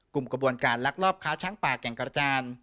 กลุ่มกระบวนการลักลอบค้าช้างป่าแก่งกระจาน